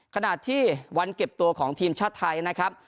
ขณะที่วันเก็บตัวของทีมชาติไทยนะครับ